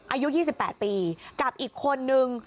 อายุ๒๘ปีกับอีกคนนึง